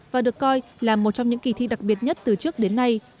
và được coi là một trong những kỳ thi đặc biệt nhất từ trước đến nay